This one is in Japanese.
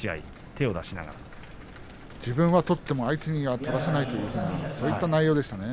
自分は取っても相手には取らせないそういった内容でした。